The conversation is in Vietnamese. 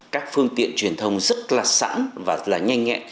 các phương tiện truyền thông rất là sẵn và là nhanh nhẹ